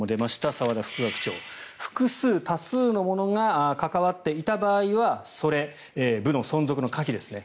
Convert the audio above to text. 澤田副学長複数、多数の者が関わっていた場合はそれ、部の存続の可否ですね